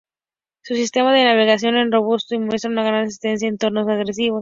Su sistema de navegación es robusto y muestra una gran resistencia en entornos agresivos.